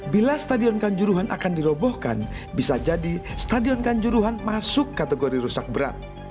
bila stadion kanjuruhan akan dirobohkan bisa jadi stadion kanjuruhan masuk kategori rusak berat